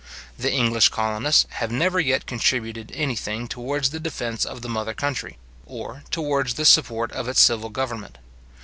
The English colonists have never yet contributed any thing towards the defence of the mother country, or towards the support of its civil government.